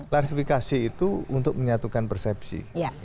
klarifikasi itu untuk menyatukan persepsi